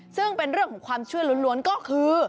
ซึ่งเป็นเรื่องของความเชื่อล้วนก็คือ